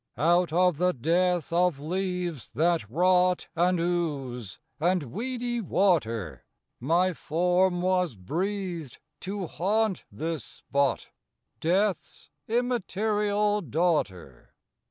Out of the death of leaves that rot And ooze and weedy water, My form was breathed to haunt this spot, Death's immaterial daughter.